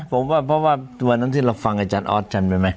ผมว่าเพราะว่าวันนั้นที่เราฟังอาจารย์ออสจำไปไหม